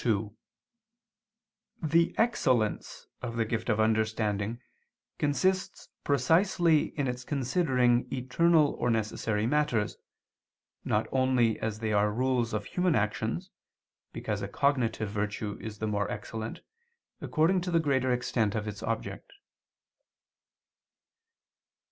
2: The excellence of the gift of understanding consists precisely in its considering eternal or necessary matters, not only as they are rules of human actions, because a cognitive virtue is the more excellent, according to the greater extent of its object.